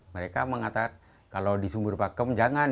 mereka mengatakan kalau di sumber pakem jangan